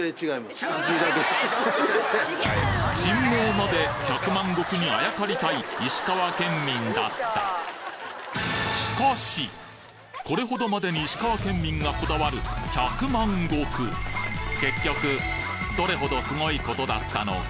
人名まで百万石にあやかりたい石川県民だったこれほどまでに石川県民がこだわる百万石結局どれほどスゴいことだったのか？